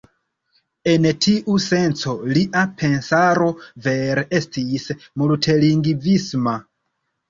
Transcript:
En tiu senco, lia pensaro vere estis multlingvisma.